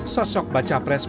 sosok baca pres pdi perjuangan